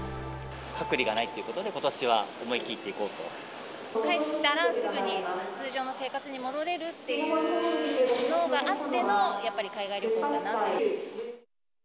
隔離がないということで、帰ったら、すぐに通常の生活に戻れるっていうのがあっての、やっぱり海外旅行かなと。